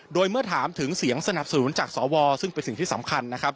โดยเมื่อถามถึงเสียงสนับสนุนจากสวซึ่งเป็นสิ่งที่สำคัญนะครับ